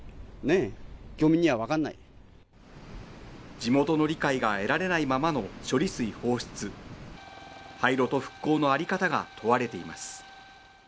地元の理解が得られないままの処理水放出廃炉と復興の在り方が問われています。